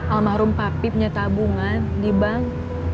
almarhum papi punya tabungan di bank